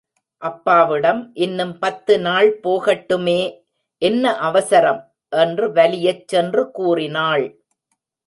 அப்பாவிடம், இன்னும் பத்து நாள் போகட்டுமே, என்ன அவசரம்? என்று வலியச் சென்று கூறினாள்.